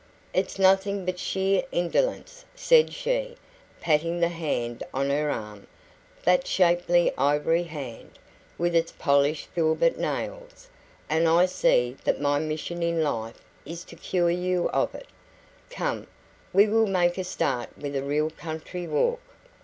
"It's nothing but sheer indolence," said she, patting the hand on her arm that shapely ivory hand, with its polished filbert nails "and I see that my mission in life is to cure you of it. Come, we will make a start with a real country walk."